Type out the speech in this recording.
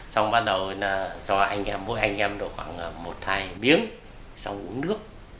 xong bắt đầu là cho anh em mỗi anh em khoảng một hai miếng xong uống nước